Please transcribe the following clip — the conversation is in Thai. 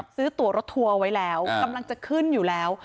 ซื้อตัวรถทัวร์เอาไว้แล้วกำลังจะขึ้นอยู่แล้ว